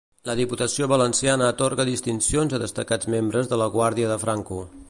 La Diputació valenciana atorga distincions a destacats membres de la guàrdia de Franco